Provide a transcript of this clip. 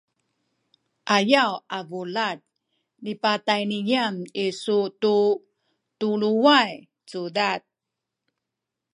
ayaw a bulad nipatayniyan isu tu tuluway cudad